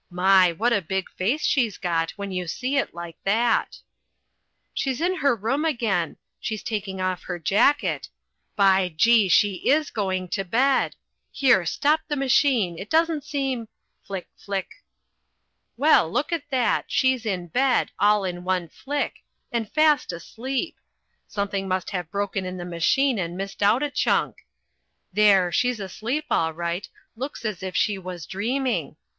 My! what a big face she's got when you see it like that. She's in her room again she's taking off her jacket by Gee! She is going to bed! Here, stop the machine; it doesn't seem Flick, flick! Well, look at that! She's in bed, all in one flick, and fast asleep! Something must have broken in the machine and missed out a chunk. There! she's asleep all right looks as if she was dreaming.